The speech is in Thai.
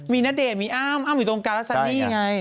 มีนัดเดทมีอ้ำอ้ำอยู่ตรงกันแล้วจันนี่ไง